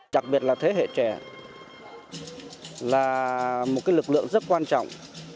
đặc biệt là thế hệ trẻ là một lực lượng rất quan trọng